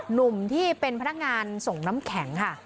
หนุ่มที่เป็นพนักงานส่งน้ำแข็งค่ะ